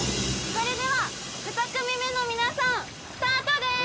それでは２組目の皆さんスタートです！